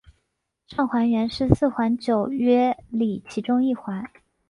上环原是四环九约里其中一环。